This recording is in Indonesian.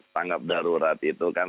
tanggap darurat itu kan